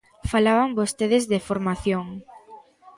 Falaban vostedes de formación.